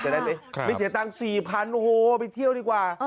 ได้ไหมไม่เสียตังค์๔๐๐โอ้โหไปเที่ยวดีกว่า